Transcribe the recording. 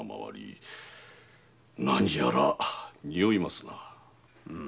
何やら臭いますな。